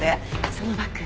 そのバッグ